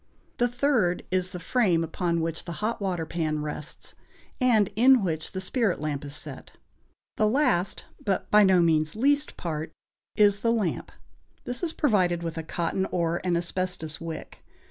The third is the frame upon which the hot water pan rests, and in which the spirit lamp is set. The last, but by no means least, part is the lamp; this is provided with a cotton or an asbestos wick.